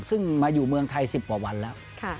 ซึ่งมาอยู่เมืองไทย๑๐กว่าวันแล้ว